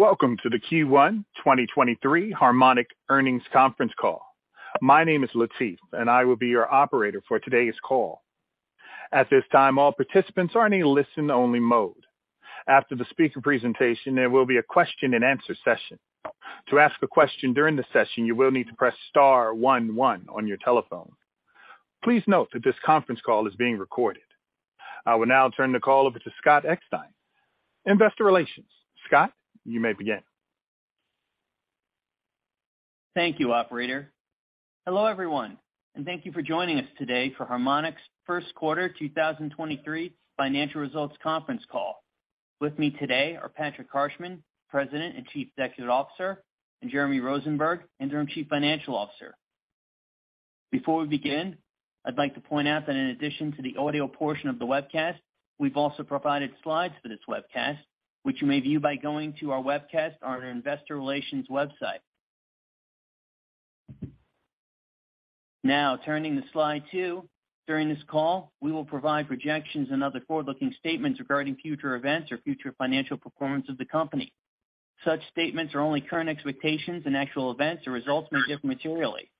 Welcome to the Q1 2023 Harmonic Earnings Conference call. My name is Latif, and I will be your operator for today's call. At this time, all participants are in a listen only mode. After the speaker presentation, there will be a question and answer session. To ask a question during the session, you will need to press star one one on your telephone. Please note that this conference call is being recorded. I will now turn the call over to Scott Eckstein, investor relations. Scott, you may begin. Thank you, operator. Hello everyone, and thank you for joining us today for Harmonic's first quarter 2023 financial results conference call. With me today are Patrick Harshman, President and Chief Executive Officer, and Jeremy Rosenberg, Interim Chief Financial Officer. Before we begin, I'd like to point out that in addition to the audio portion of the webcast, we've also provided slides for this webcast, which you may view by going to our webcast on our investor relations website. Now turning to slide 2. During this call, we will provide projections and other forward-looking statements regarding future events or future financial performance of the company. Such statements are only current expectations and actual events or results may differ materially.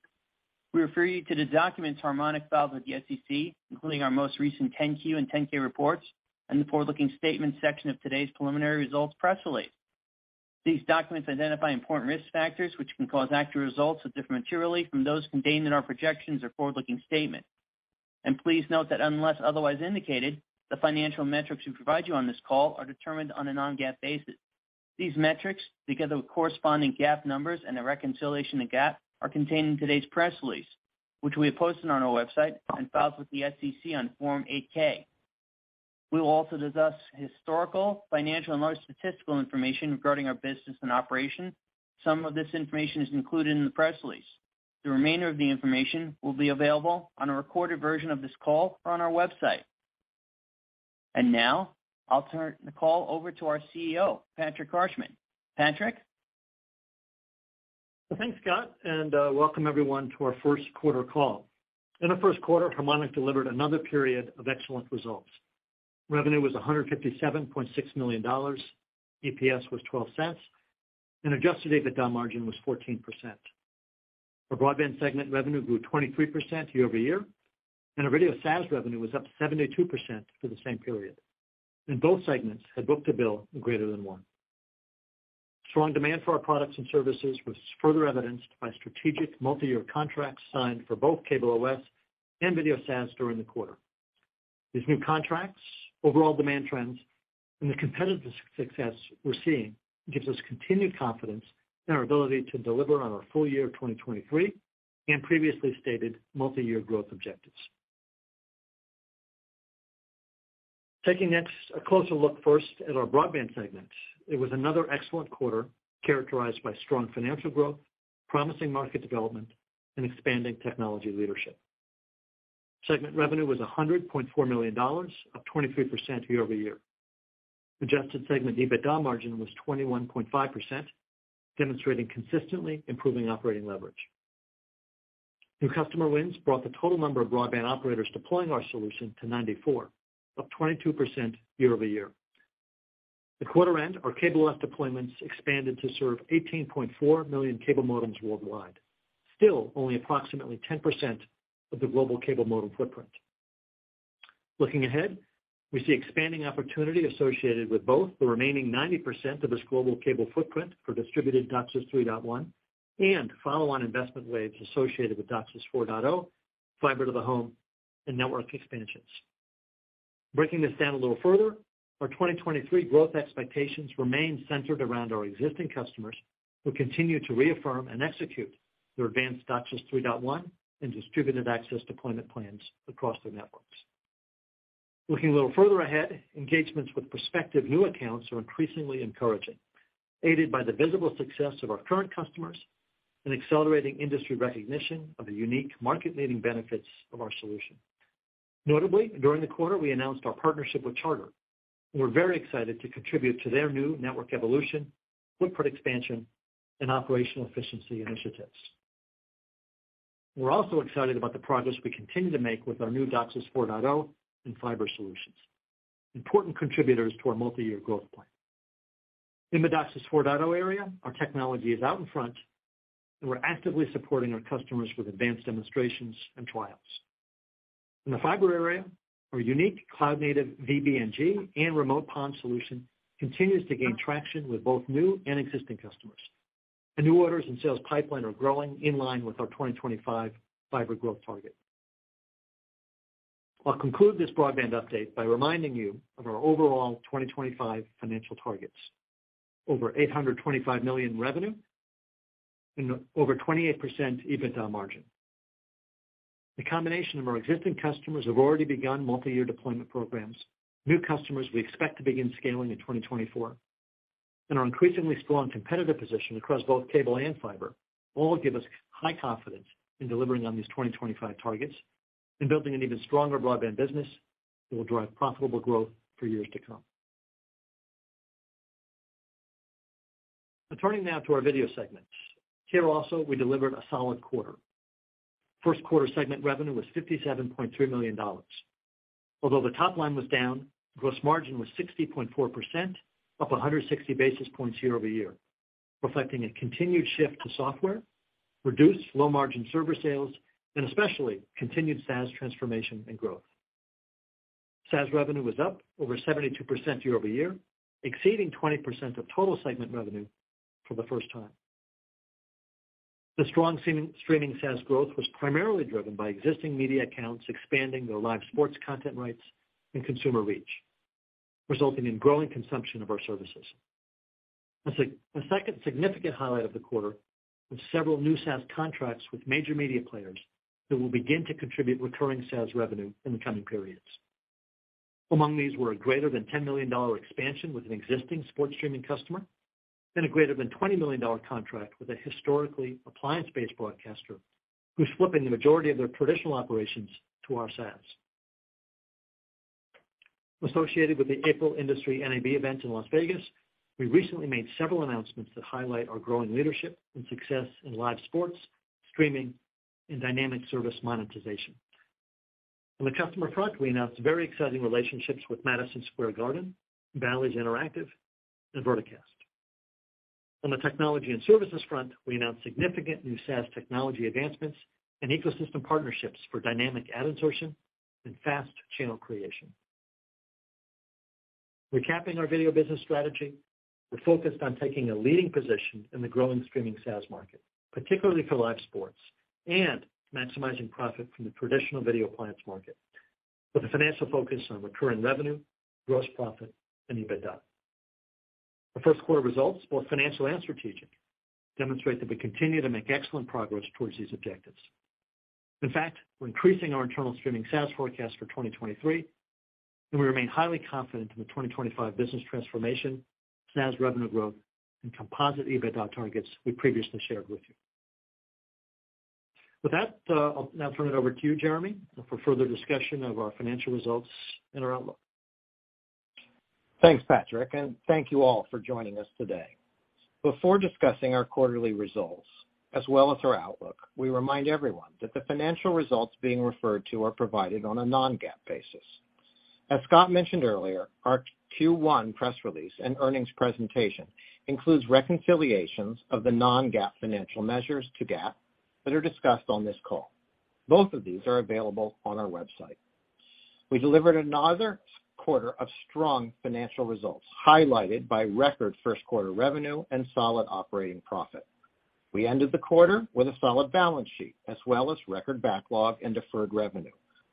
We refer you to the documents Harmonic files with the SEC, including our most recent 10-Q and 10-K reports, and the forward-looking statements section of today's preliminary results press release. These documents identify important risk factors which can cause actual results to differ materially from those contained in our projections or forward-looking statements. Please note that unless otherwise indicated, the financial metrics we provide you on this call are determined on a non-GAAP basis. These metrics, together with corresponding GAAP numbers and the reconciliation to GAAP, are contained in today's press release, which we have posted on our website and files with the SEC on Form 8-K. We will also discuss historical, financial, and other statistical information regarding our business and operations. Some of this information is included in the press release. The remainder of the information will be available on a recorded version of this call on our website. Now I'll turn the call over to our CEO, Patrick Harshman. Patrick. Thanks, Scott. Welcome everyone to our first quarter call. In the first quarter, Harmonic delivered another period of excellent results. Revenue was $157.6 million. EPS was $0.12. Adjusted EBITDA margin was 14%. Our broadband segment revenue grew 23% year-over-year, and our Video SaaS revenue was up 72% for the same period. Both segments had book-to-bill greater than 1. Strong demand for our products and services was further evidenced by strategic multi-year contracts signed for both CableOS and Video SaaS during the quarter. These new contracts, overall demand trends, and the competitive success we're seeing gives us continued confidence in our ability to deliver on our full year 2023 and previously stated multi-year growth objectives. Taking next a closer look first at our broadband segment. It was another excellent quarter characterized by strong financial growth, promising market development, and expanding technology leadership. Segment revenue was $104 million, up 23% year-over-year. Adjusted segment EBITDA margin was 21.5%, demonstrating consistently improving operating leverage. New customer wins brought the total number of broadband operators deploying our solution to 94, up 22% year-over-year. At quarter end, our CableOS deployments expanded to serve 18.4 million cable modems worldwide, still only approximately 10% of the global cable modem footprint. Looking ahead, we see expanding opportunity associated with both the remaining 90% of this global cable footprint for distributed DOCSIS 3.1 and follow-on investment waves associated with DOCSIS 4.0, fiber to the home, and network expansions. Breaking this down a little further, our 2023 growth expectations remain centered around our existing customers who continue to reaffirm and execute their advanced DOCSIS 3.1 and distributed access deployment plans across their networks. Looking a little further ahead, engagements with prospective new accounts are increasingly encouraging, aided by the visible success of our current customers and accelerating industry recognition of the unique market-leading benefits of our solution. Notably, during the quarter, we announced our partnership with Charter. We're very excited to contribute to their new network evolution, footprint expansion, and operational efficiency initiatives. We're also excited about the progress we continue to make with our new DOCSIS 4.0 and fiber solutions, important contributors to our multi-year growth plan. In the DOCSIS 4.0 area, our technology is out in front and we're actively supporting our customers with advanced demonstrations and trials. In the fiber area, our unique cloud-native vBNG and remote PON solution continues to gain traction with both new and existing customers. The new orders and sales pipeline are growing in line with our 2025 fiber growth target. I'll conclude this broadband update by reminding you of our overall 2025 financial targets. Over $825 million revenue and over 28% EBITDA margin. The combination of our existing customers have already begun multi-year deployment programs. New customers we expect to begin scaling in 2024. Our increasingly strong competitive position across both cable and fiber all give us high confidence in delivering on these 2025 targets and building an even stronger broadband business that will drive profitable growth for years to come. Turning now to the video segments. Here also, we delivered a solid quarter. First quarter segment revenue was $57.3 million. Although the top line was down, gross margin was 60.4%, up 160 basis points year-over-year, reflecting a continued shift to software, reduced low margin server sales, and especially continued SaaS transformation and growth. SaaS revenue was up over 72% year-over-year, exceeding 20% of total segment revenue for the first time. The strong streaming SaaS growth was primarily driven by existing media accounts expanding their live sports content rights and consumer reach, resulting in growing consumption of our services. A second significant highlight of the quarter was several new SaaS contracts with major media players that will begin to contribute recurring SaaS revenue in the coming periods. Among these were a greater than $10 million expansion with an existing sports streaming customer, and a greater than $20 million contract with a historically appliance-based broadcaster who's flipping the majority of their traditional operations to our SaaS. Associated with the April industry NAB event in Las Vegas, we recently made several announcements that highlight our growing leadership and success in live sports, streaming, and dynamic service monetization. On the customer front, we announced very exciting relationships with Madison Square Garden, Bally's Interactive, and VertiCast. On the technology and services front, we announced significant new SaaS technology advancements and ecosystem partnerships for dynamic ad insertion and FAST channel creation. Recapping our video business strategy, we're focused on taking a leading position in the growing streaming SaaS market, particularly for live sports, and maximizing profit from the traditional video appliance market, with a financial focus on recurring revenue, gross profit, and EBITDA. The first quarter results, both financial and strategic, demonstrate that we continue to make excellent progress towards these objectives. In fact, we're increasing our internal streaming SaaS forecast for 2023, and we remain highly confident in the 2025 business transformation, SaaS revenue growth, and composite EBITDA targets we previously shared with you. With that, I'll now turn it over to you, Jeremy, for further discussion of our financial results and our outlook. Thanks, Patrick. Thank you all for joining us today. Before discussing our quarterly results as well as our outlook, we remind everyone that the financial results being referred to are provided on a non-GAAP basis. As Scott mentioned earlier, our Q1 press release and earnings presentation includes reconciliations of the non-GAAP financial measures to GAAP that are discussed on this call. Both of these are available on our website. We delivered another quarter of strong financial results, highlighted by record first quarter revenue and solid operating profit. We ended the quarter with a solid balance sheet as well as record backlog and deferred revenue,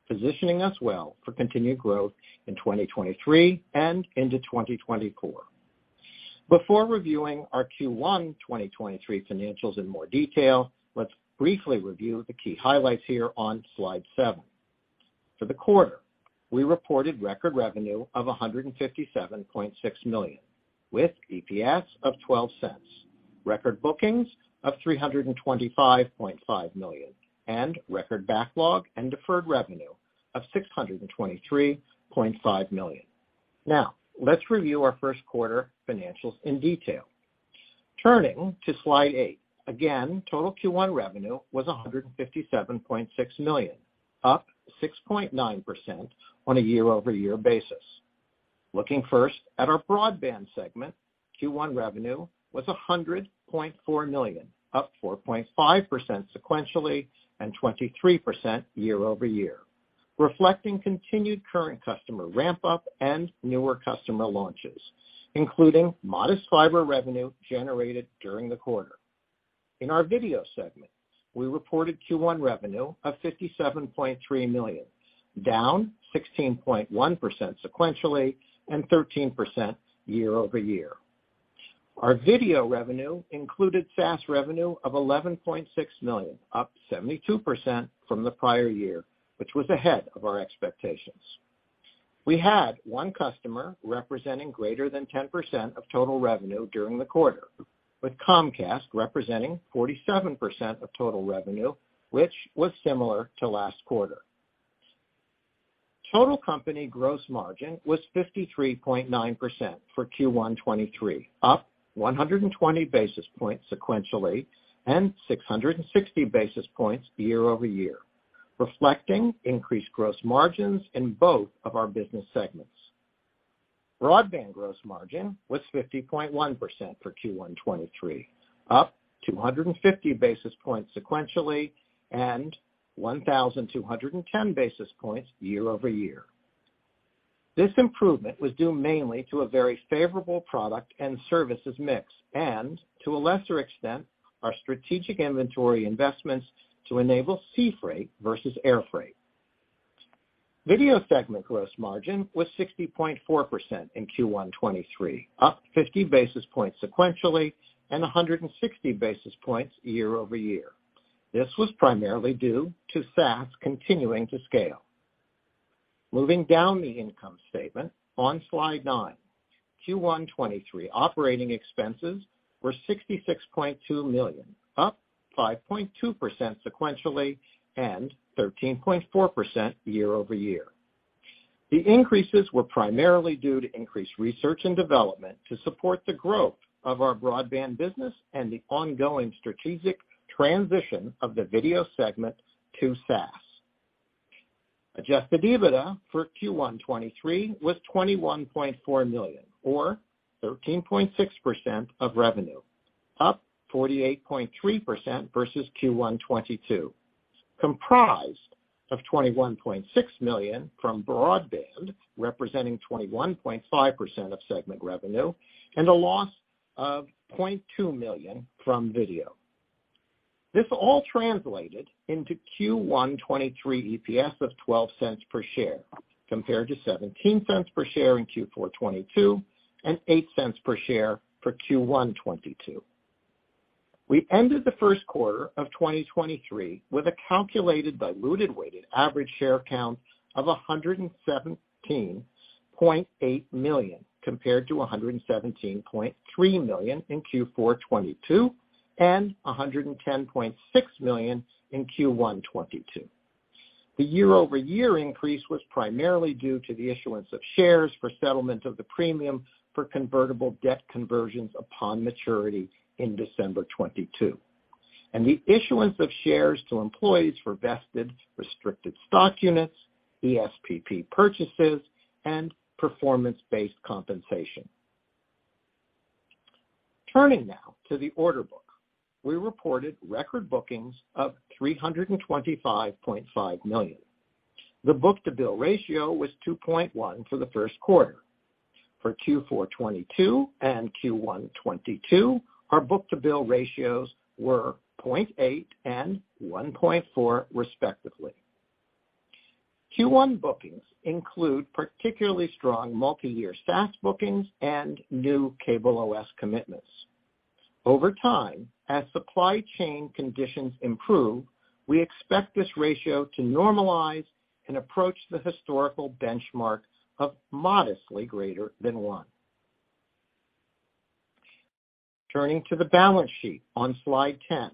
positioning us well for continued growth in 2023 and into 2024. Before reviewing our Q1 2023 financials in more detail, let's briefly review the key highlights here on slide 7. For the quarter, we reported record revenue of $157.6 million, with EPS of $0.12, record bookings of $325.5 million, and record backlog and deferred revenue of $623.5 million. Let's review our first quarter financials in detail. Turning to slide 8. Total Q1 revenue was $157.6 million, up 6.9% on a year-over-year basis. Looking first at our broadband segment, Q1 revenue was $100.4 million, up 4.5% sequentially and 23% year-over-year, reflecting continued current customer ramp-up and newer customer launches, including modest fiber revenue generated during the quarter. In our video segment, we reported Q1 revenue of $57.3 million, down 16.1% sequentially and 13% year-over-year. Our video revenue included SaaS revenue of $11.6 million, up 72% from the prior year, which was ahead of our expectations. We had one customer representing greater than 10% of total revenue during the quarter, with Comcast representing 47% of total revenue, which was similar to last quarter. Total company gross margin was 53.9% for Q1 2023, up 120 basis points sequentially and 660 basis points year-over-year, reflecting increased gross margins in both of our business segments. Broadband gross margin was 50.1% for Q1 2023, up 250 basis points sequentially and 1,210 basis points year-over-year. This improvement was due mainly to a very favorable product and services mix and to a lesser extent, our strategic inventory investments to enable sea freight versus air freight. Video segment gross margin was 60.4% in Q1 '23, up 50 basis points sequentially and 160 basis points year-over-year. This was primarily due to SaaS continuing to scale. Moving down the income statement on slide 9. Q1 '23 operating expenses were $66.2 million, up 5.2% sequentially and 13.4% year-over-year. The increases were primarily due to increased research and development to support the growth of our broadband business and the ongoing strategic transition of the video segment to SaaS. Adjusted EBITDA for Q1 '23 was $21.4 million, or 13.6% of revenue, up 48.3% versus Q1 '22, comprised of $21.6 million from broadband, representing 21.5% of segment revenue, and a loss of $0.2 million from video. This all translated into Q1 '23 EPS of $0.12 per share, compared to $0.17 per share in Q4 '22 and $0.08 per share for Q1 '22. We ended the first quarter of 2023 with a calculated diluted weighted average share count of 117.8 million compared to 117.3 million in Q4 '22 and 110.6 million in Q1 '22. The year-over-year increase was primarily due to the issuance of shares for settlement of the premium for convertible debt conversions upon maturity in December 2022, and the issuance of shares to employees for vested restricted stock units, ESPP purchases, and performance-based compensation. Turning now to the order book. We reported record bookings of $325.5 million. The book-to-bill ratio was 2.1 for the first quarter. For Q4 2022 and Q1 2022, our book-to-bill ratios were 0.8 and 1.4, respectively. Q1 bookings include particularly strong multiyear SaaS bookings and new CableOS commitments. Over time, as supply chain conditions improve, we expect this ratio to normalize and approach the historical benchmark of modestly greater than one. Turning to the balance sheet on slide 10.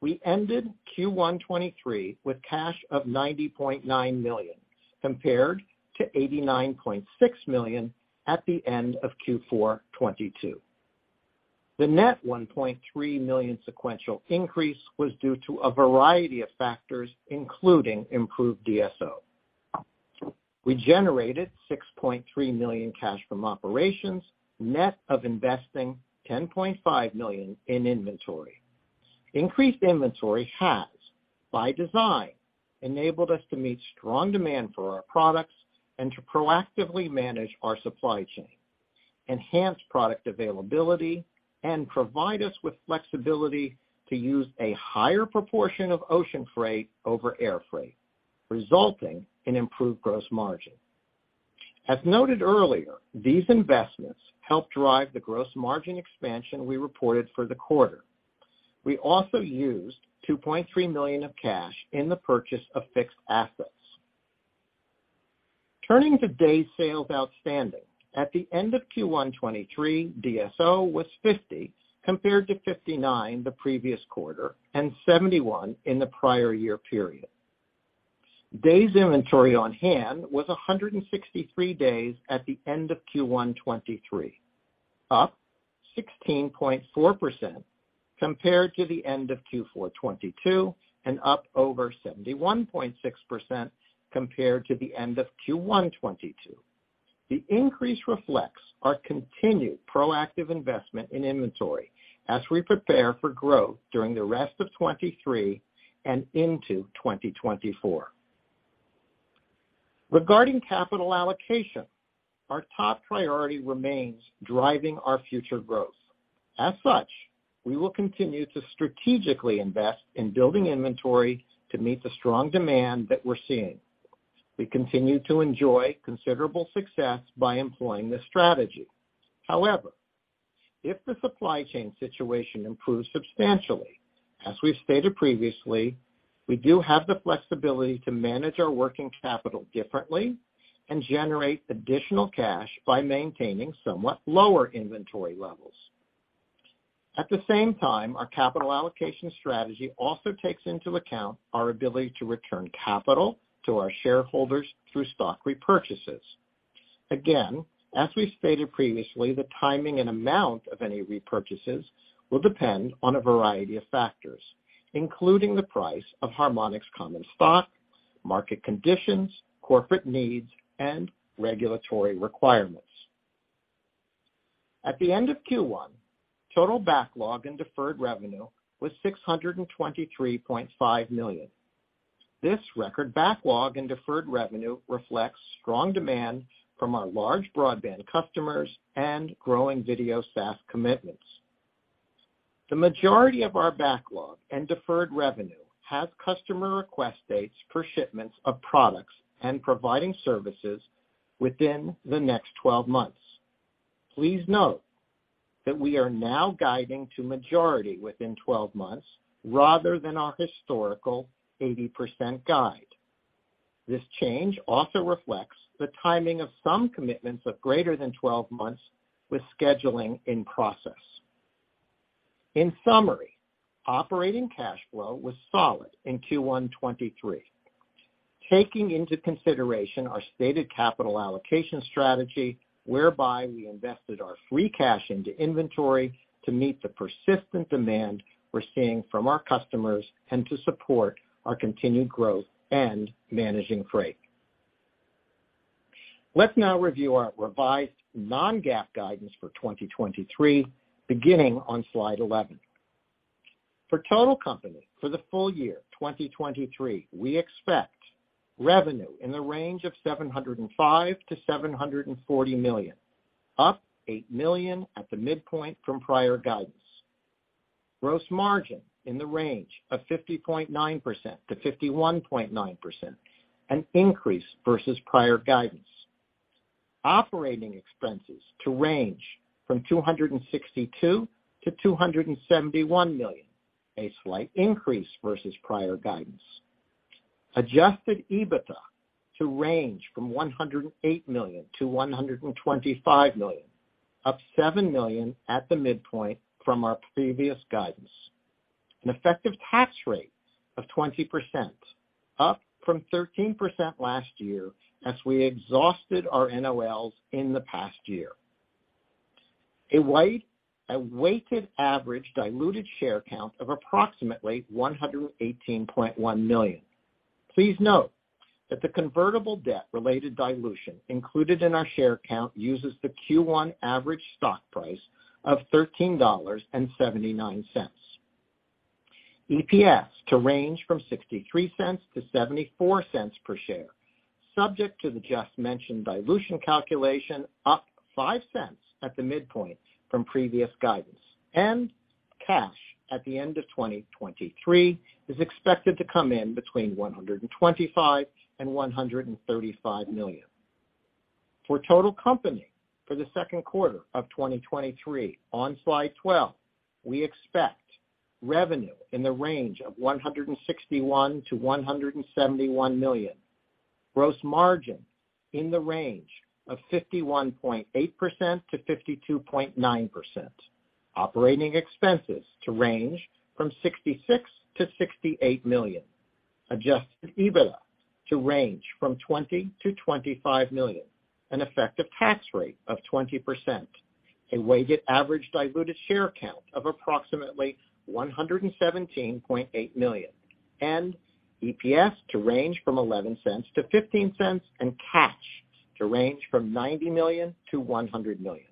We ended Q1 '23 with cash of $90.9 million, compared to $89.6 million at the end of Q4 '22. The net $1.3 million sequential increase was due to a variety of factors, including improved DSO. We generated $6.3 million cash from operations, net of investing $10.5 million in inventory. Increased inventory has, by design, enabled us to meet strong demand for our products and to proactively manage our supply chain, enhance product availability, and provide us with flexibility to use a higher proportion of ocean freight over air freight, resulting in improved gross margin. As noted earlier, these investments helped drive the gross margin expansion we reported for the quarter. We also used $2.3 million of cash in the purchase of fixed assets. Turning to days sales outstanding. At the end of Q1 2023, DSO was 50, compared to 59 the previous quarter and 71 in the prior year period. Days inventory on hand was 163 days at the end of Q1 2023, up 16.4% compared to the end of Q4 2022, and up over 71.6% compared to the end of Q1 2022. The increase reflects our continued proactive investment in inventory as we prepare for growth during the rest of 2023 and into 2024. Regarding capital allocation, our top priority remains driving our future growth. As such, we will continue to strategically invest in building inventory to meet the strong demand that we're seeing. We continue to enjoy considerable success by employing this strategy. If the supply chain situation improves substantially, as we've stated previously, we do have the flexibility to manage our working capital differently and generate additional cash by maintaining somewhat lower inventory levels. At the same time, our capital allocation strategy also takes into account our ability to return capital to our shareholders through stock repurchases. As we've stated previously, the timing and amount of any repurchases will depend on a variety of factors, including the price of Harmonic's common stock, market conditions, corporate needs, and regulatory requirements. At the end of Q1, total backlog and deferred revenue was $623.5 million. This record backlog in deferred revenue reflects strong demand from our large broadband customers and growing Video SaaS commitments. The majority of our backlog and deferred revenue has customer request dates for shipments of products and providing services within the next 12 months. Please note that we are now guiding to majority within 12 months rather than our historical 80% guide. This change also reflects the timing of some commitments of greater than 12 months with scheduling in process. In summary, operating cash flow was solid in Q1 2023, taking into consideration our stated capital allocation strategy, whereby we invested our free cash into inventory to meet the persistent demand we're seeing from our customers and to support our continued growth and managing freight. Let's now review our revised non-GAAP guidance for 2023, beginning on slide 11. For total company for the full year 2023, we expect revenue in the range of $705 million-$740 million, up $8 million at the midpoint from prior guidance. Gross margin in the range of 50.9%-51.9%, an increase versus prior guidance. Operating expenses to range from $262 million-$271 million, a slight increase versus prior guidance. Adjusted EBITDA to range from $108 million-$125 million, up $7 million at the midpoint from our previous guidance. An effective tax rate of 20%, up from 13% last year as we exhausted our NOLs in the past year. A weighted average diluted share count of approximately 118.1 million. Please note that the convertible debt-related dilution included in our share count uses the Q1 average stock price of $13.79. EPS to range from $0.63-$0.74 per share, subject to the just-mentioned dilution calculation, up $0.05 at the midpoint from previous guidance. Cash at the end of 2023 is expected to come in between $125 million and $135 million. For total company for the second quarter of 2023 on slide 12, we expect revenue in the range of $161 million to $171 million. Gross margin in the range of 51.8%-52.9%. Operating expenses to range from $66 million to $68 million. Adjusted EBITDA to range from $20 million to $25 million. Effective tax rate of 20%. Weighted average diluted share count of approximately 117.8 million. EPS to range from $0.11 to $0.15, and cash to range from $90 million to $100 million.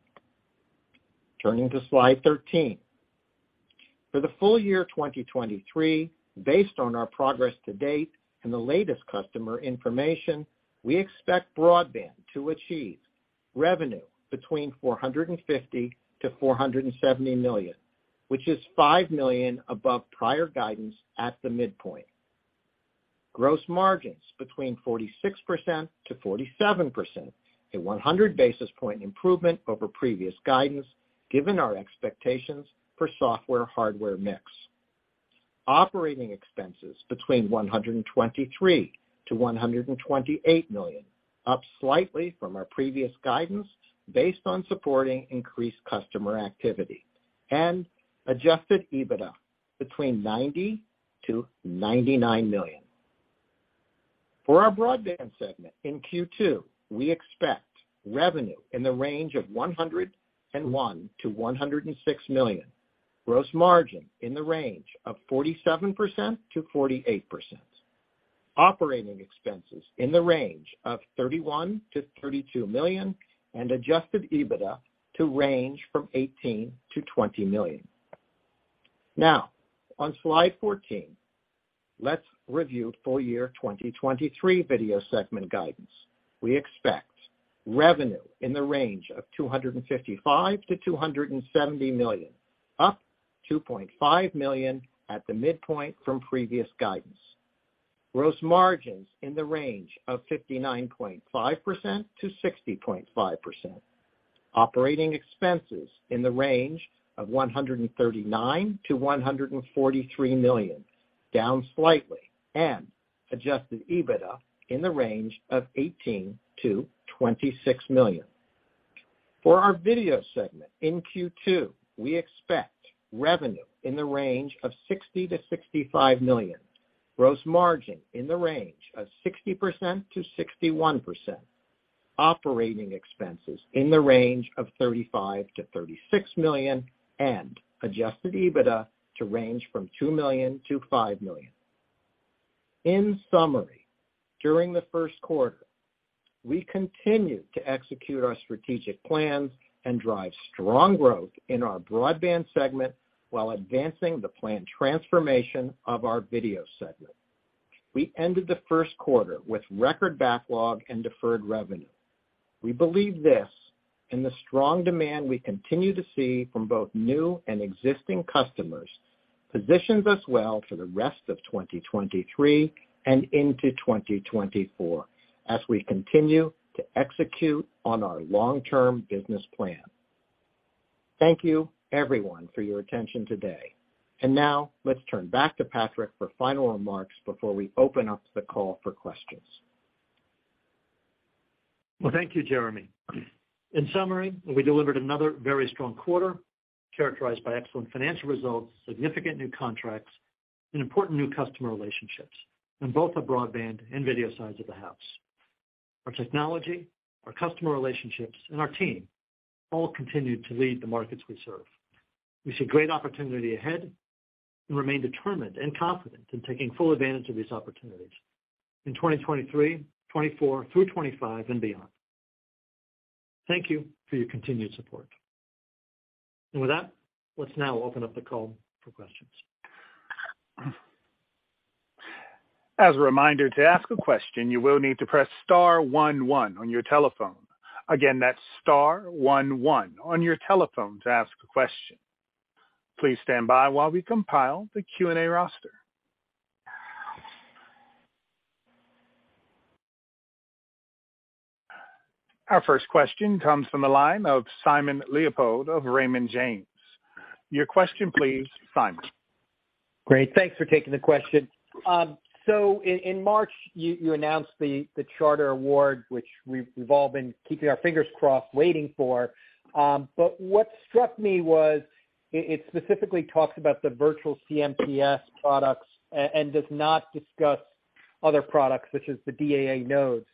Turning to slide 13. For the full year 2023, based on our progress to date and the latest customer information, we expect broadband to achieve revenue between $450 million-$470 million, which is $5 million above prior guidance at the midpoint. Gross margins between 46%-47%, a 100 basis point improvement over previous guidance, given our expectations for software-hardware mix. Operating expenses between $123 million-$128 million, up slightly from our previous guidance based on supporting increased customer activity. Adjusted EBITDA between $90 million-$99 million. For our broadband segment in Q2, we expect revenue in the range of $101 million-$106 million. Gross margin in the range of 47%-48%. Operating expenses in the range of $31 million-$32 million. Adjusted EBITDA to range from $18 million-$20 million. Now, on slide 14, let's review full year 2023 video segment guidance. We expect revenue in the range of $255 million-$270 million, up $2.5 million at the midpoint from previous guidance. Gross margins in the range of 59.5%-60.5%. Operating expenses in the range of $139 million-$143 million, down slightly. Adjusted EBITDA in the range of $18 million-$26 million. For our video segment in Q2, we expect revenue in the range of $60 million-$65 million. Gross margin in the range of 60%-61%. Operating expenses in the range of $35 million-$36 million. Adjusted EBITDA to range from $2 million-$5 million. In summary, during the first quarter, we continued to execute our strategic plans and drive strong growth in our broadband segment while advancing the planned transformation of our video segment. We ended the first quarter with record backlog and deferred revenue. We believe this and the strong demand we continue to see from both new and existing customers positions us well for the rest of 2023 and into 2024 as we continue to execute on our long-term business plan. Thank you, everyone, for your attention today. Now let's turn back to Patrick for final remarks before we open up the call for questions. Well, thank you, Jeremy. In summary, we delivered another very strong quarter characterized by excellent financial results, significant new contracts, and important new customer relationships in both the broadband and video sides of the house. Our technology, our customer relationships, and our team all continued to lead the markets we serve. We see great opportunity ahead and remain determined and confident in taking full advantage of these opportunities in 2023, 2024 through 2025 and beyond. Thank you for your continued support. With that, let's now open up the call for questions. As a reminder, to ask a question, you will need to press star one one on your telephone. Again, that's star one one on your telephone to ask a question. Please stand by while we compile the Q&A roster. Our first question comes from the line of Simon Leopold of Raymond James. Your question please, Simon. Great. Thanks for taking the question. In March you announced the Charter award, which we've all been keeping our fingers crossed waiting for. What struck me was it specifically talks about the virtual CMTS products and does not discuss other products such as the DAA nodes.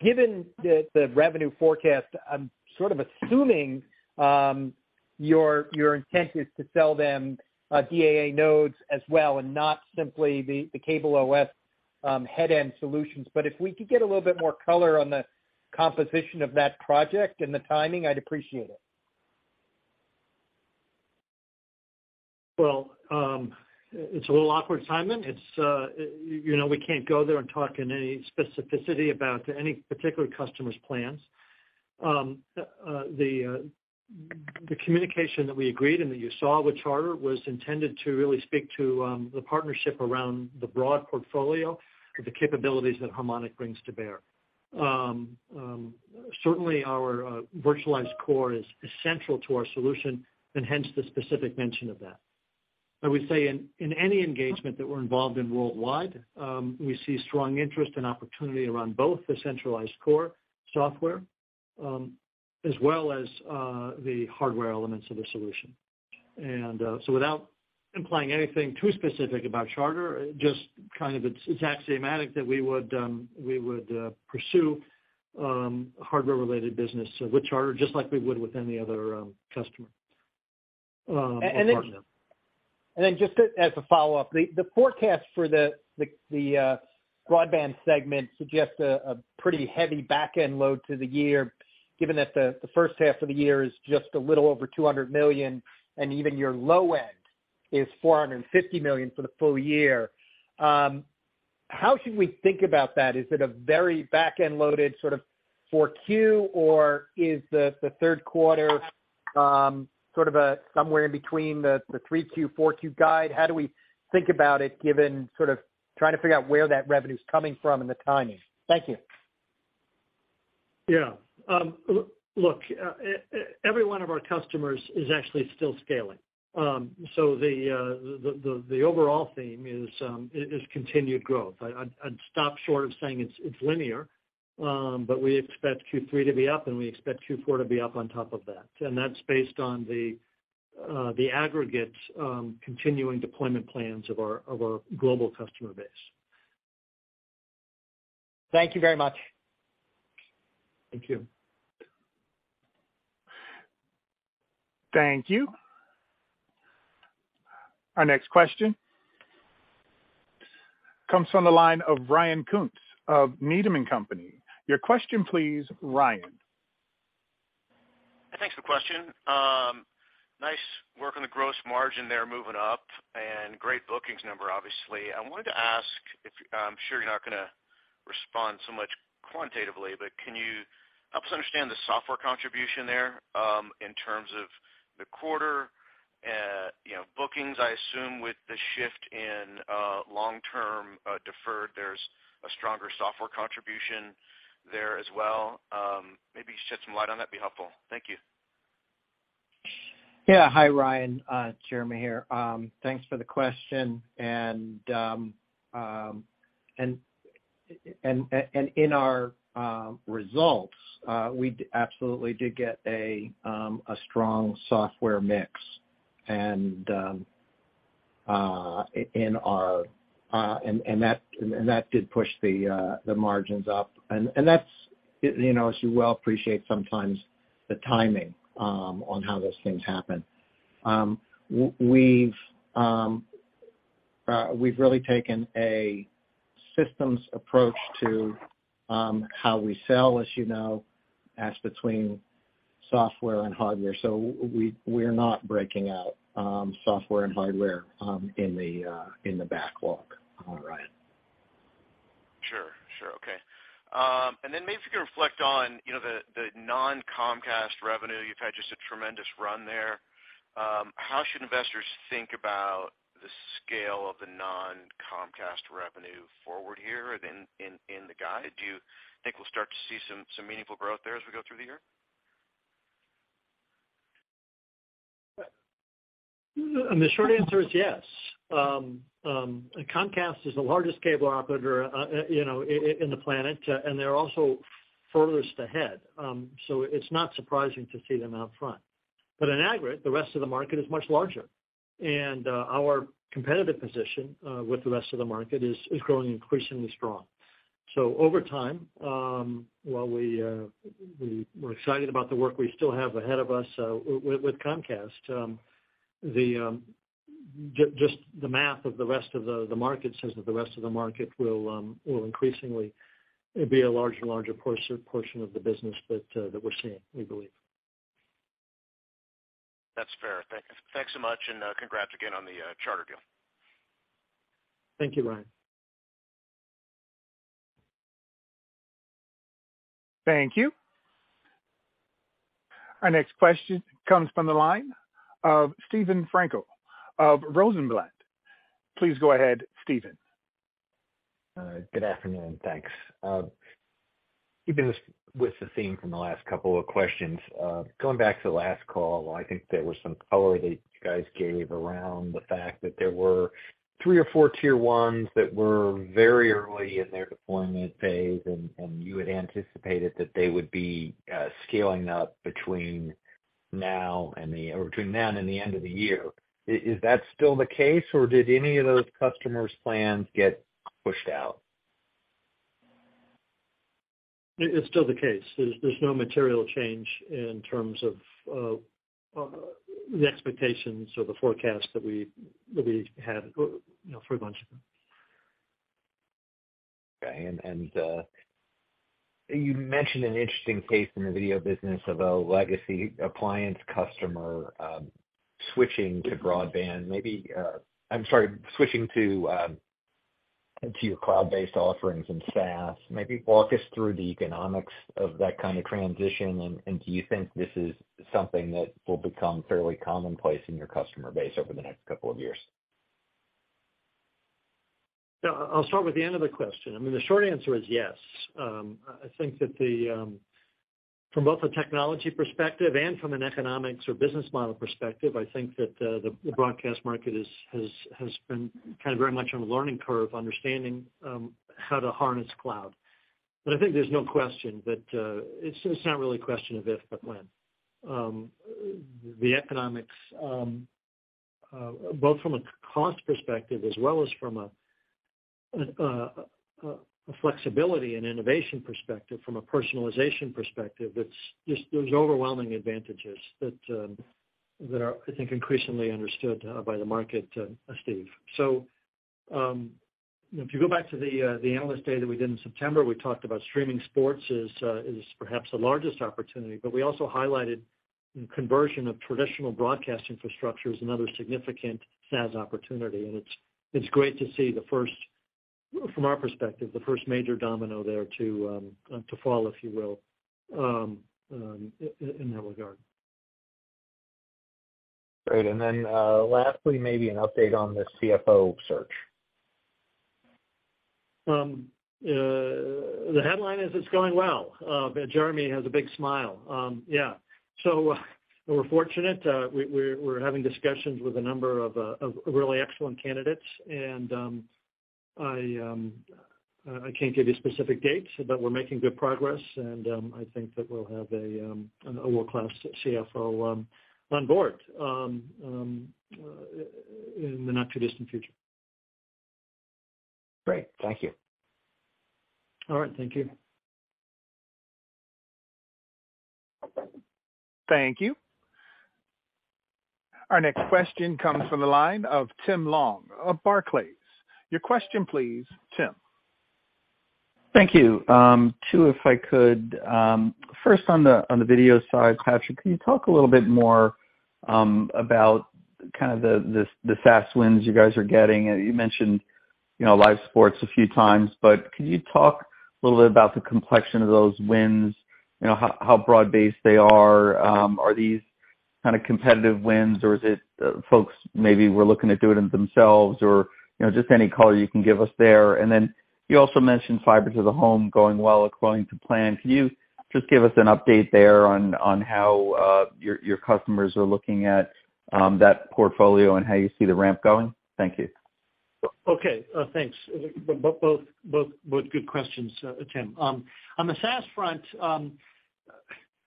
Given the revenue forecast, I'm sort of assuming your intent is to sell them DAA nodes as well, and not simply the CableOS headend solutions. If we could get a little bit more color on the composition of that project and the timing, I'd appreciate it. Well, it's a little awkward, Simon. It's, you know, we can't go there and talk in any specificity about any particular customer's plans. The communication that we agreed and that you saw with Charter was intended to really speak to, the partnership around the broad portfolio of the capabilities that Harmonic brings to bear. Certainly our virtualized core is central to our solution and hence the specific mention of that. I would say in any engagement that we're involved in worldwide, we see strong interest and opportunity around both the centralized core software, as well as, the hardware elements of the solution. Without implying anything too specific about Charter, just kind of it's axiomatic that we would we would pursue hardware-related business with Charter just like we would with any other customer or partner. Just as a follow-up, the forecast for the broadband segment suggests a pretty heavy back-end load to the year, given that the first half of the year is just a little over $200 million and even your low end is $450 million for the full year. How should we think about that? Is it a very back-end loaded sort of 4Q, or is the third quarter sort of a somewhere in between the 3Q, 4Q guide? How do we think about it given sort of trying to figure out where that revenue is coming from and the timing? Thank you. Yeah. Look, every one of our customers is actually still scaling. The overall theme is continued growth. I'd stop short of saying it's linear, but we expect Q3 to be up and we expect Q4 to be up on top of that. That's based on the aggregate continuing deployment plans of our global customer base. Thank you very much. Thank you. Thank you. Our next question comes from the line of Ryan Koontz of Needham & Company. Your question please, Ryan. Thanks for the question. Nice work on the gross margin there moving up and great bookings number obviously. I'm sure you're not gonna respond so much quantitatively, but can you help us understand the software contribution there, in terms of the quarter? You know, bookings I assume with the shift in, long-term, deferred there's a stronger software contribution there as well. Maybe shed some light on that, be helpful. Thank you. Yeah. Hi, Ryan. Jeremy here. Thanks for the question. In our results, we absolutely did get a strong software mix and in our and that did push the margins up. That's, you know, as you well appreciate sometimes the timing on how those things happen. We've really taken a systems approach to how we sell, as you know, as between software and hardware. We're not breaking out software and hardware in the back walk, Ryan. Sure. Okay. Then maybe if you can reflect on, you know, the non-Comcast revenue. You've had just a tremendous run there. How should investors think about the scale of the non-Comcast revenue forward here in the guide? Do you think we'll start to see some meaningful growth there as we go through the year? The short answer is yes. Comcast is the largest cable operator, you know, in the planet. They're also furthest ahead. It's not surprising to see them out front. In aggregate, the rest of the market is much larger, and our competitive position with the rest of the market is growing increasingly strong. Over time, while we're excited about the work we still have ahead of us with Comcast, the just the math of the rest of the market says that the rest of the market will increasingly be a larger and larger portion of the business that we're seeing, we believe. That's fair. Thanks so much, and congrats again on the Charter deal. Thank you, Ryan. Thank you. Our next question comes from the line of Steven Frankel of Rosenblatt. Please go ahead, Steven. Good afternoon. Thanks. Keeping with the theme from the last couple of questions, going back to the last call, I think there was some color that you guys gave around the fact that there were three or four Tier 1s that were very early in their deployment phase, and you had anticipated that they would be scaling up between now and the end of the year. Is that still the case, or did any of those customers' plans get pushed out? It's still the case. There's no material change in terms of the expectations or the forecast that we had, you know, for a bunch of them. Okay. You mentioned an interesting case in the video business of a legacy appliance customer, switching to broadband. Maybe, I'm sorry, switching to your cloud-based offerings and SaaS. Maybe walk us through the economics of that kind of transition. Do you think this is something that will become fairly commonplace in your customer base over the next couple of years? Yeah. I'll start with the end of the question. I mean, the short answer is yes. I think that the, from both a technology perspective and from an economics or business model perspective, I think that the broadcast market is, has been kind of very much on a learning curve, understanding how to harness cloud. I think there's no question that it's not really a question of if, but when. The economics, both from a cost perspective as well as from a flexibility and innovation perspective, from a personalization perspective, it's just there's overwhelming advantages that are, I think, increasingly understood by the market, Steve. You know, if you go back to the analyst day that we did in September, we talked about streaming sports as perhaps the largest opportunity. We also highlighted conversion of traditional broadcast infrastructure as another significant SaaS opportunity. It's great to see the first, from our perspective, the first major domino there to fall, if you will, in that regard. Great. Lastly, maybe an update on the CFO search. The headline is it's going well. Jeremy has a big smile. Yeah. We're fortunate. We're having discussions with a number of really excellent candidates. I can't give you specific dates, but we're making good progress. I think that we'll have a an world-class CFO on board in the not-too-distant future. Great. Thank you. All right. Thank you. Thank you. Our next question comes from the line of Tim Long of Barclays. Your question please, Tim. Thank you. Two, if I could. First on the video side, Patrick, can you talk a little bit more about kind of the SaaS wins you guys are getting? You mentioned, you know, live sports a few times, can you talk a little bit about the complexion of those wins? You know, how broad-based they are? Are these kind of competitive wins, or is it folks maybe were looking at doing it themselves? You know, just any color you can give us there. You also mentioned fiber to the home going well according to plan. Can you just give us an update there on how your customers are looking at that portfolio and how you see the ramp going? Thank you. Okay. Thanks. Both good questions, Tim. On the SaaS front,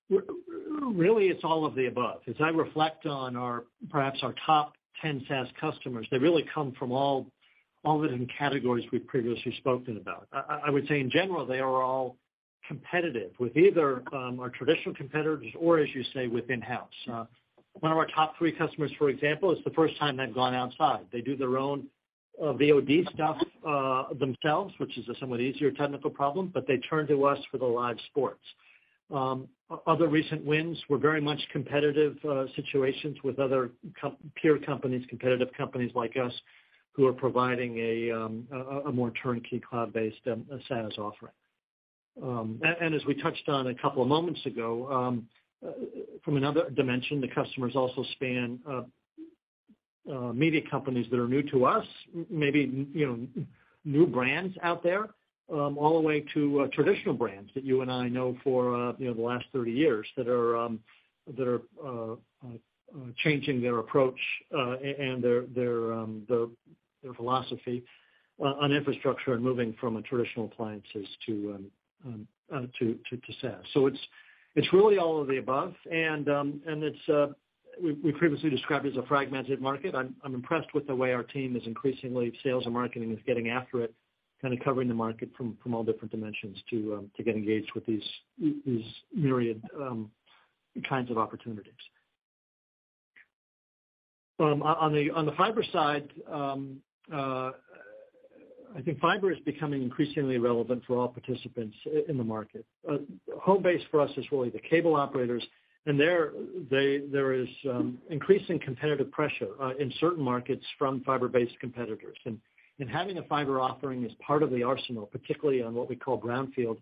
really, it's all of the above. As I reflect on our, perhaps our top 10 SaaS customers, they really come from all the different categories we've previously spoken about. I would say in general, they are all competitive with either, our traditional competitors or, as you say, with in-house. One of our top 3 customers, for example, it's the first time they've gone outside. They do their own VOD stuff themselves, which is a somewhat easier technical problem, but they turn to us for the live sports. Other recent wins were very much competitive situations with other peer companies, competitive companies like us, who are providing a more turnkey cloud-based SaaS offering. As we touched on a couple of moments ago, from another dimension, the customers also span media companies that are new to us, maybe, you know, new brands out there, all the way to traditional brands that you and I know for, you know, the last 30 years that are changing their approach and their philosophy on infrastructure and moving from traditional appliances to SaaS. So it's really all of the above, and we previously described it as a fragmented market. I'm impressed with the way our team is increasingly, sales and marketing is getting after it, kind of covering the market from all different dimensions to get engaged with these myriad kinds of opportunities. On the fiber side, I think fiber is becoming increasingly relevant for all participants in the market. Home base for us is really the cable operators, and there is increasing competitive pressure in certain markets from fiber-based competitors. Having a fiber offering is part of the arsenal, particularly on what we call greenfield,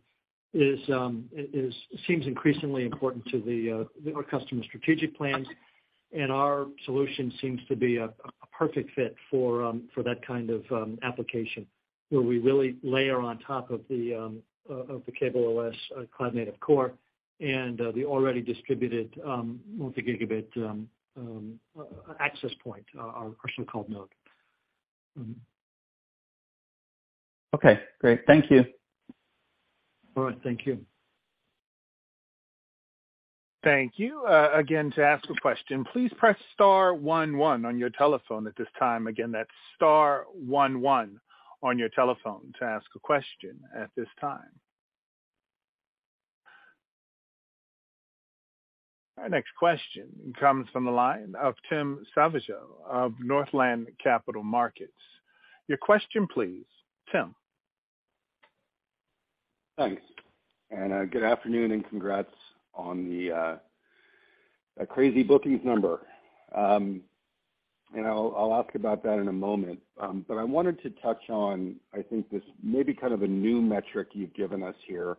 seems increasingly important to our customer's strategic plans, and our solution seems to be a perfect fit for that kind of application, where we really layer on top of the CableOS cloud-native core and the already distributed multi-gigabit access point, our so-called node. Okay, great. Thank you. All right. Thank you. Thank you. Again, to ask a question, please press star one one on your telephone at this time. Again, that's star one one on your telephone to ask a question at this time. Our next question comes from the line of Tim Savageaux of Northland Capital Markets. Your question, please, Tim. Thanks. Good afternoon, and congrats on the crazy bookings number. I'll ask about that in a moment. I wanted to touch on, I think this may be kind of a new metric you've given us here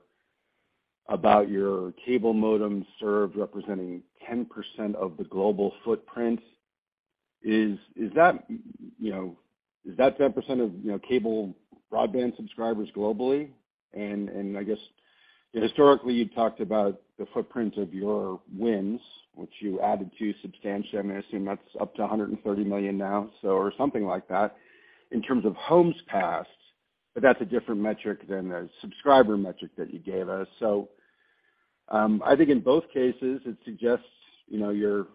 about your cable modem served representing 10% of the global footprint. Is, is that, you know, is that 10% of, you know, cable broadband subscribers globally? I guess historically, you've talked about the footprint of your wins, which you added to substantially. I'm gonna assume that's up to 130 million now, so or something like that, in terms of homes passed. That's a different metric than the subscriber metric that you gave us. I think in both cases, it suggests, you know, you're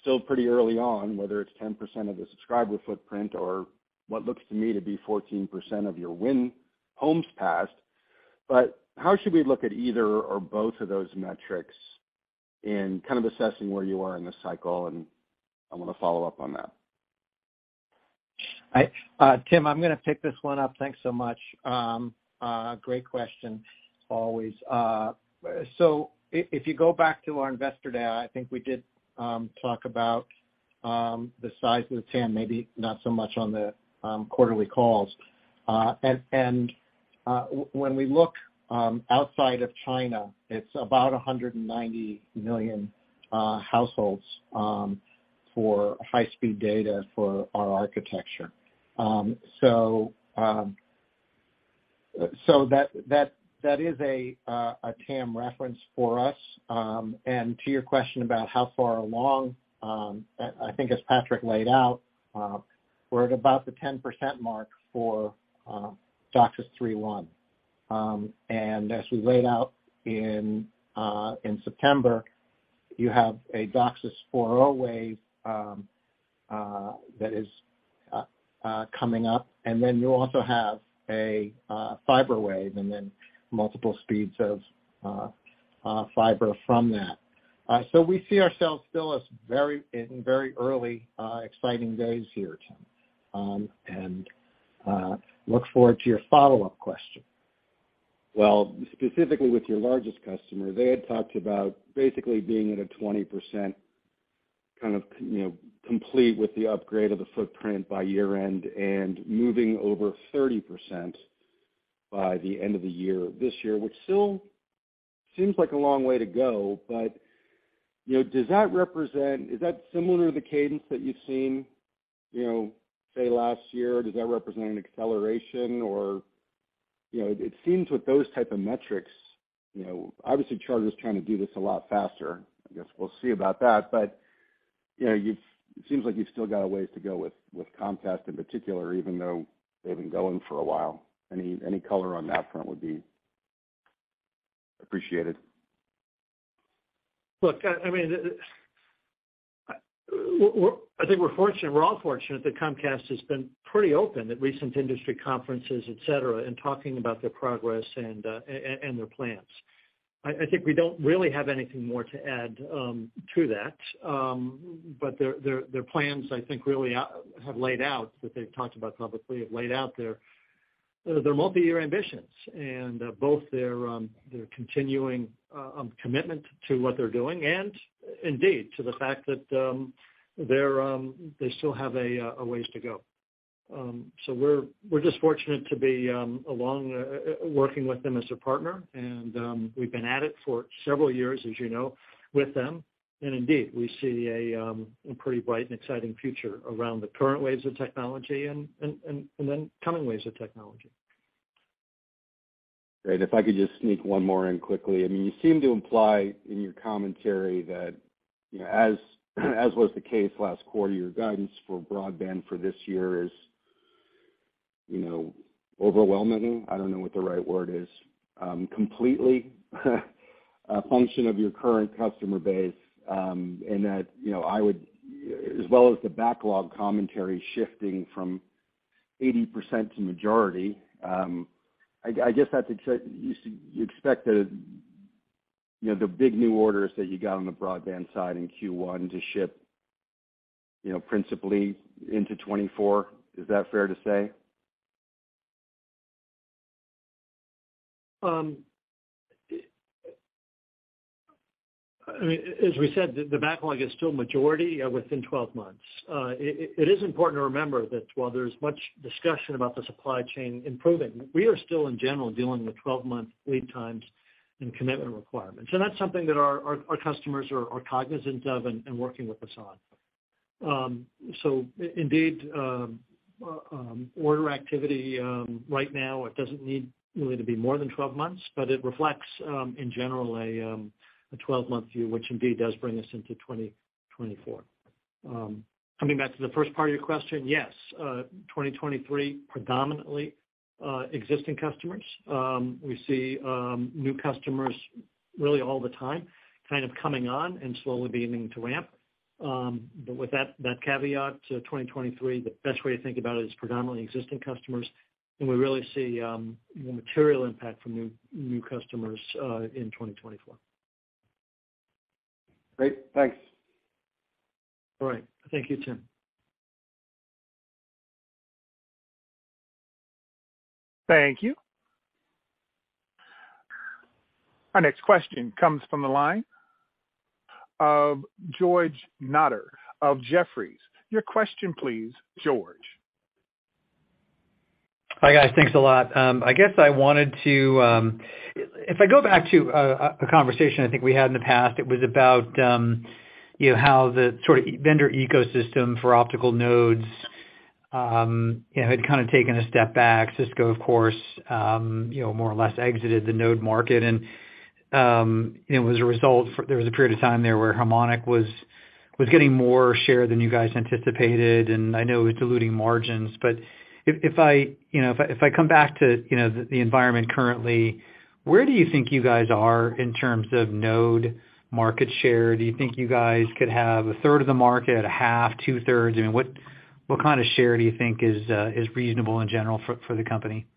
still pretty early on, whether it's 10% of the subscriber footprint or what looks to me to be 14% of your win homes passed. How should we look at either or both of those metrics in kind of assessing where you are in this cycle? I wanna follow up on that. Tim, I'm gonna pick this one up. Thanks so much. Great question, always. If you go back to our investor day, I think we did talk about the size of the TAM, maybe not so much on the quarterly calls. When we look outside of China, it's about 190 million households for high-speed data for our architecture. That is a TAM reference for us. To your question about how far along, I think as Patrick laid out, we're at about the 10% mark for DOCSIS 3.1. As we laid out in September, you have a DOCSIS 4.0 wave that is coming up, and then you also have a fiber wave and then multiple speeds of fiber from that. We see ourselves still as very, in very early, exciting days here, Tim, and look forward to your follow-up question. Specifically with your largest customer, they had talked about basically being at a 20% kind of, you know, complete with the upgrade of the footprint by year-end and moving over 30% by the end of the year, this year, which still seems like a long way to go. You know, does that represent is that similar to the cadence that you've seen, you know, say, last year? Does that represent an acceleration? You know, it seems with those type of metrics, you know, obviously, Charter's trying to do this a lot faster. I guess we'll see about that. You know, you've it seems like you've still got a ways to go with Comcast in particular, even though they've been going for a while. Any color on that front would be appreciated. Look, I mean, I think we're fortunate, we're all fortunate that Comcast has been pretty open at recent industry conferences, et cetera, in talking about their progress and their plans. I think we don't really have anything more to add to that. Their plans, I think, have laid out, that they've talked about publicly, have laid out their multi-year ambitions and both their continuing commitment to what they're doing and indeed to the fact that they still have a ways to go. We're just fortunate to be along working with them as a partner, and we've been at it for several years, as you know, with them. Indeed, we see a pretty bright and exciting future around the current waves of technology and then coming waves of technology. Great. If I could just sneak one more in quickly. I mean, you seem to imply in your commentary that, you know, as was the case last quarter, your guidance for broadband for this year is, you know, overwhelmingly, I don't know what the right word is, completely a function of your current customer base, and that, you know, as well as the backlog commentary shifting from 80% to majority. I just have to say, you expect the, you know, the big new orders that you got on the broadband side in Q1 to ship, you know, principally into 2024. Is that fair to say? I mean, as we said, the backlog is still majority within 12 months. It is important to remember that while there's much discussion about the supply chain improving, we are still, in general, dealing with 12-month lead times and commitment requirements. That's something that our customers are cognizant of and working with us on. Indeed, order activity right now, it doesn't need really to be more than 12 months, but it reflects in general a 12-month view, which indeed does bring us into 2024. Coming back to the first part of your question, yes, 2023 predominantly existing customers. We see new customers really all the time kind of coming on and slowly beginning to ramp. With that caveat to 2023, the best way to think about it is predominantly existing customers, and we really see material impact from new customers in 2024. Great. Thanks. All right. Thank you, Tim. Thank you. Our next question comes from the line of George Notter of Jefferies. Your question please, George. Hi, guys. Thanks a lot. I guess I wanted to, if I go back to a conversation I think we had in the past, it was about, you know, how the sort of vendor ecosystem for optical nodes, you know, had kind of taken a step back. Cisco, of course, you know, more or less exited the node market. You know, as a result, there was a period of time there where Harmonic was getting more share than you guys anticipated, and I know it was diluting margins. If I, you know, if I come back to, you know, the environment currently, where do you think you guys are in terms of node market share? Do you think you guys could have a third of the market, a half, two thirds? I mean, what kind of share do you think is reasonable in general for the company?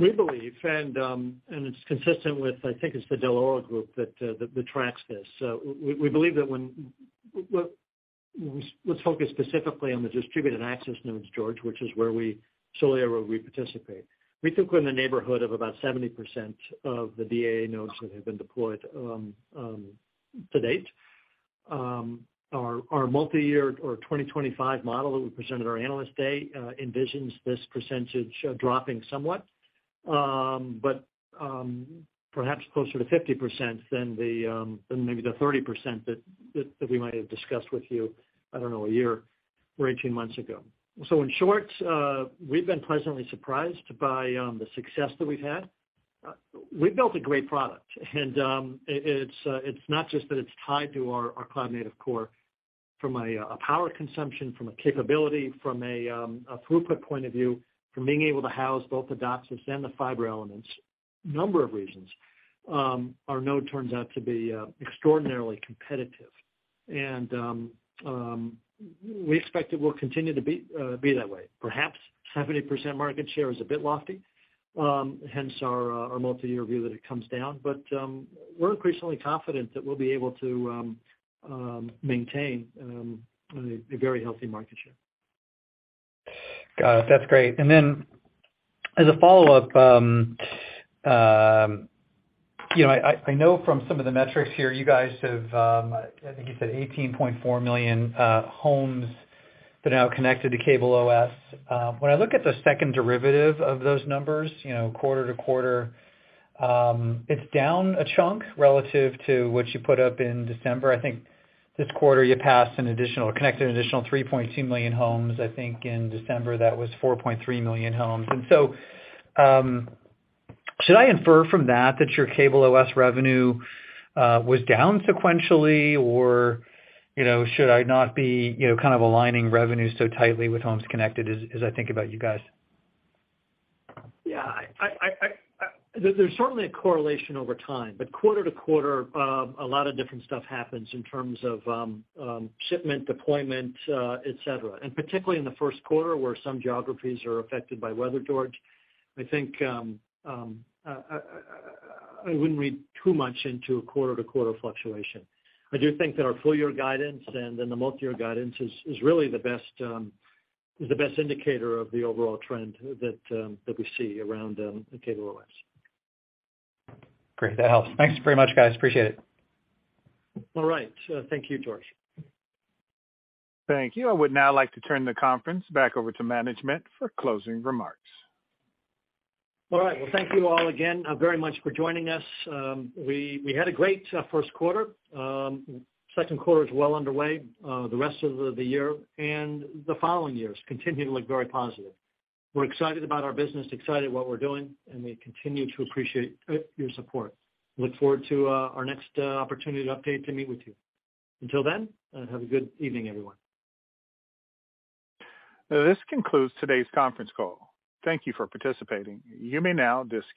We believe and it's consistent with I think it's the Dell'Oro Group that tracks this. Let's focus specifically on the distributed access nodes, George, which is where we solely where we participate. We think we're in the neighborhood of about 70% of the DAA nodes that have been deployed to date. Our multi-year or 2025 model that we presented our Analyst Day envisions this percentage dropping somewhat, but perhaps closer to 50% than the than maybe the 30% that we might have discussed with you, I don't know, a year or 18 months ago. In short, we've been pleasantly surprised by the success that we've had. We've built a great product. It's not just that it's tied to our cloud-native core from a power consumption, from a capability, from a throughput point of view, from being able to house both the DOCSIS and the fiber elements. Number of reasons, our node turns out to be extraordinarily competitive. We expect it will continue to be that way. Perhaps 70% market share is a bit lofty, hence our multi-year view that it comes down. We're increasingly confident that we'll be able to maintain a very healthy market share. Got it. That's great. Then as a follow-up, you know, I know from some of the metrics here, you guys have, I think you said 18.4 million homes that are now connected to CableOS. When I look at the second derivative of those numbers, you know, quarter-over-quarter, it's down a chunk relative to what you put up in December. I think this quarter you connected an additional 3.2 million homes. I think in December, that was 4.3 million homes. So, should I infer from that your CableOS revenue was down sequentially or, you know, should I not be, you know, kind of aligning revenue so tightly with homes connected as I think about you guys? Yeah. I There's certainly a correlation over time, but quarter to quarter, a lot of different stuff happens in terms of shipment, deployment, et cetera. Particularly in the first quarter, where some geographies are affected by weather, George. I think I wouldn't read too much into a quarter to quarter fluctuation. I do think that our full year guidance and then the multi-year guidance is really the best indicator of the overall trend that we see around CableOS. Great. That helps. Thanks very much, guys. Appreciate it. All right. Thank you, George. Thank you. I would now like to turn the conference back over to management for closing remarks. All right. Well, thank you all again, very much for joining us. We had a great first quarter. Second quarter is well underway. The rest of the year and the following years continue to look very positive. We're excited about our business, excited what we're doing, and we continue to appreciate your support. Look forward to our next opportunity to update and meet with you. Until then, have a good evening, everyone. This concludes today's conference call. Thank you for participating. You may now disconnect.